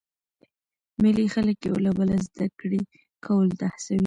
مېلې خلک یو له بله زده کړي کولو ته هڅوي.